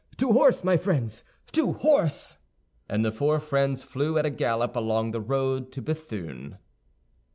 To horse, my friends, to horse!" And the four friends flew at a gallop along the road to Béthune.